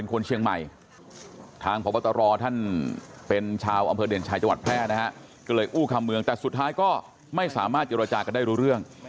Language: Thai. ขนเชียงใหม่ทางพระบัตรอท่านเป็นชาวอมเภอเด่นชายจวัตรแพร่นะฮะก็เลยอูขัมเมืองแต่สุดท้ายก็ไม่สามารถจีราชากันได้ร่วงเรื่อง